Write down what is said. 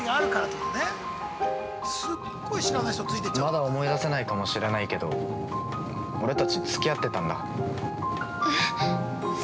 ◆まだ思い出せないかもしれないけど、俺たちつき合ってたんだ。